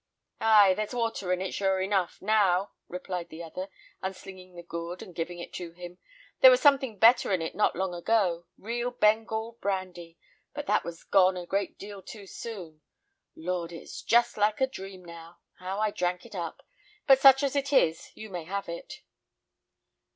"Ay, there's water in it, sure enough, now," replied the other, unslinging the gourd and giving it to him. "There was something better in it not long ago real Bengal brandy, but that was gone a great deal too soon. Lord! it's just like a dream; how I drank it up; but such as it is, you may have it."